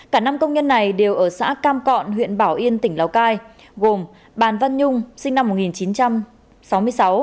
cả năm công nhân này đều ở xã cam cọn huyện bảo yên tỉnh lào cai gồm bàn văn nhung sinh năm một nghìn chín trăm sáu mươi sáu